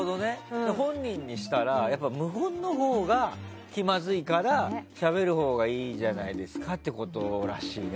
本人にしたら無言のほうが気まずいからしゃべるほうがいいじゃないですかってことらしいね。